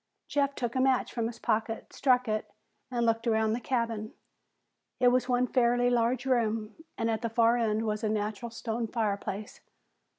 Jeff took a match from his pocket, struck it, and looked around the cabin. It was one fairly large room, and at the far end was a natural stone fireplace.